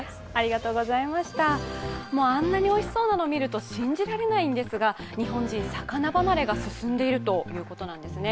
あんなにおいしそうなのを見ると信じられないんですが、日本人、魚離れが進んでいるということなんですね。